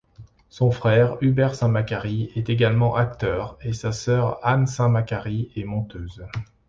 Son frère, Hubert Saint-Macary, est également acteur et sa sœur Anne Saint-Macary est monteuse.